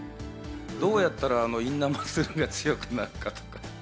どうやったらインナーマッスルが強くなるかとか。